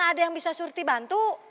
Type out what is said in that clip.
ada yang bisa surti bantu